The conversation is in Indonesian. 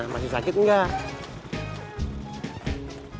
masih sakit gak